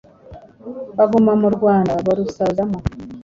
baguma mu Rwanda barusaziramo.